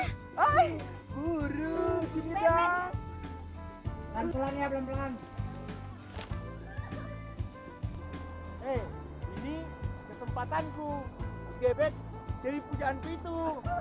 hai buru sini dah hai langsung aja belum hai eh ini kesempatanku bebek jadi pujaanku itu